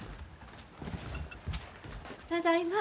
ただいま。